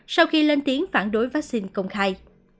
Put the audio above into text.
sau khi lên tiếng phản đối vaccine công khai